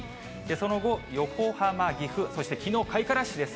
その後、横浜、岐阜、そしてきのう、開花ラッシュです。